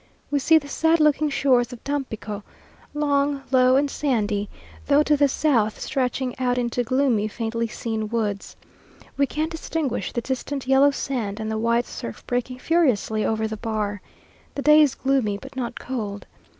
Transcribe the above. We see the sad looking shores of Tampico, long, low, and sandy, though to the south stretching out into gloomy, faintly seen woods. We can distinguish the distant yellow sand and the white surf breaking furiously over the bar. The day is gloomy but not cold.